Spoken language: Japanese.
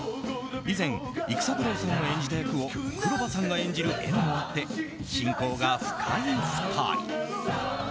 以前、育三郎さんが演じた役を黒羽さんが演じる縁もあって親交が深い２人。